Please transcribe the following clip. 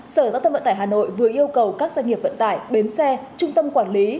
sở giao thông vận tải hà nội vừa yêu cầu các doanh nghiệp vận tải bến xe trung tâm quản lý